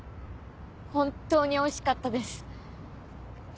本当においしかったです。